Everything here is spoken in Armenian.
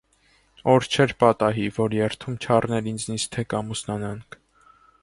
Օր չէր պատահի, որ երդում չառներ ինձնից, թե կամուսնանանք: